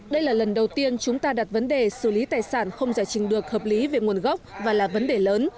đây là lần đầu tiên chúng ta đặt vấn đề xử lý tài sản không giải trình được hợp lý về nguồn gốc và là vấn đề lớn